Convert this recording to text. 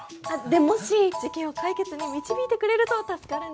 でもし事件を解決に導いてくれると助かるんですけど。